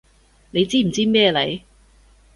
你知唔知咩嚟？